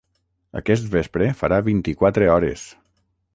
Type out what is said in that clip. Aquest vespre farà vint-i-quatre hores.